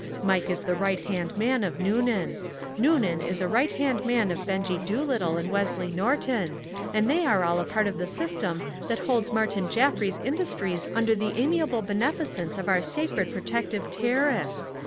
Mike is a right hand man of Noonan. Noonan is a right hand man of Benjie Doolittle and Wesley Norton, and they are all a part of the system that holds Martin Jaffry's industries under the amiable beneficence of our sacred protective tariff!